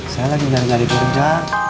saya lagi nanti cari kerja